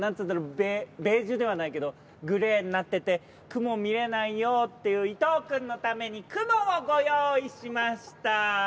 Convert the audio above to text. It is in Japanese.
ベーベージュではないけどグレーになってて雲見れないよっていう伊藤君のために雲をご用意しました。